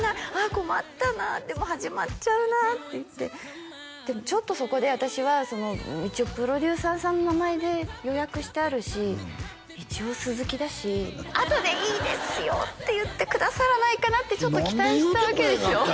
困ったなでも始まっちゃうなっていってでもちょっとそこで私は一応プロデューサーさんの名前で予約してあるし一応鈴木だし「あとでいいですよ」って言ってくださらないかなってちょっと期待したわけですよ